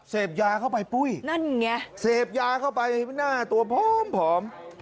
เสพยาเข้าไปปุ้ยเสพยาเข้าไปตัวพร้อม